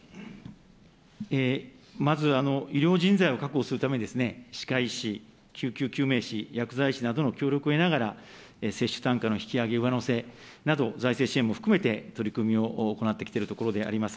まず、医療人材を確保するために、歯科医師、救急救命士、薬剤師などの協力を得ながら、接種単価の引き上げ、上乗せなど、財政支援も含めて取り組みを行ってきているところであります。